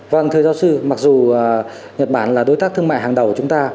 vâng thưa giáo sư mặc dù nhật bản là đối tác thương mại hàng đầu chúng ta